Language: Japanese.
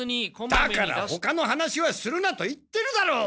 だからほかの話はするなと言ってるだろう！